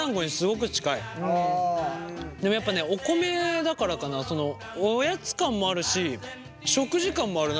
でもやっぱねお米だからかなおやつ感もあるし食事感もある。